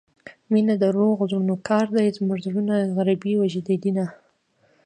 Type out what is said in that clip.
مينه دروغو زړونو كار دى زموږه زړونه غريبۍ وژلي دينه